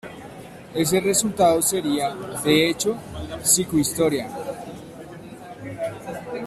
Ese resultado sería, de hecho, psicohistoria.